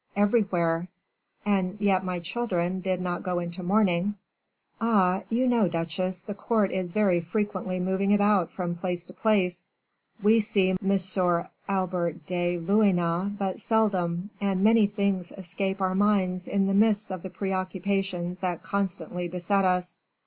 "Everywhere." "And yet my children did not go into mourning." "Ah! you know, duchesse, the court is very frequently moving about from place to place; we see M. Albert de Luynes but seldom, and many things escape our minds in the midst of the preoccupations that constantly beset us."